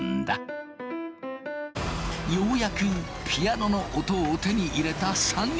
ようやくピアノの音を手に入れた３人。